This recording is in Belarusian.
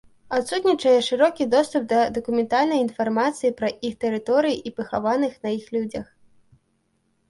Адсутнічае шырокі доступ да дакументальнай інфармацыі пра іх тэрыторыю і пахаваных на іх людзях.